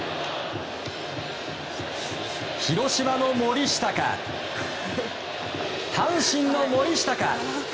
広島の森下か、阪神の森下か。